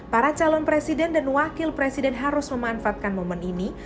para calon presiden dan wakil presiden harus memanfaatkan momen ini